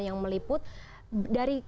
yang meliput dari